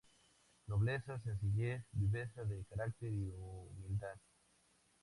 Nobleza, sencillez, viveza de carácter y humildad.